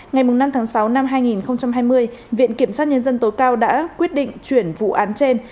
ngày năm tháng sáu năm hai nghìn hai mươi viện kiểm sát nhân dân tối cao đã quyết định chuyển vụ án trên